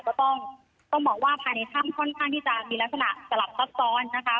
ก็ต้องบอกว่าภายในถ้ำค่อนข้างที่จะมีลักษณะสลับซับซ้อนนะคะ